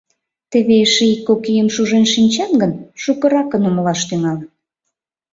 Теве эше ик-кок ийым шужен шинчат гын, шукыракын умылаш тӱҥалыт.